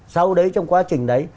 sau đấy trong quá trình đấy